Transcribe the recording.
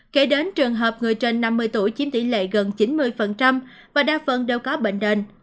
kể đến trường hợp người trên năm mươi tuổi chiếm tỷ lệ gần chín mươi và đa phần đều có bệnh nền